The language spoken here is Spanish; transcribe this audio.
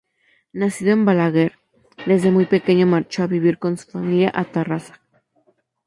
Nacido en Balaguer, desde muy pequeño marchó a vivir con su familia a Tarrasa.